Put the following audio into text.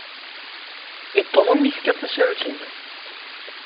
I Tum umi tefkiḍ tasarut-nni?